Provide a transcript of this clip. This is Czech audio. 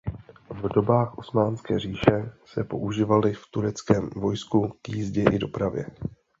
V dobách Osmanské říše se používali v tureckém vojsku k jízdě i dopravě.